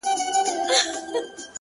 له دغي لويي وچي وځم،